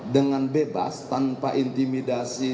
dengan bebas tanpa intimidasi